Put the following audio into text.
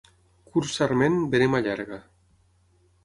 Curt sarment, verema llarga.